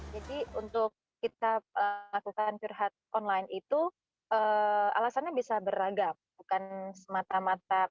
jadi untuk kita melakukan curhat online itu alasannya bisa beragam bukan semata mata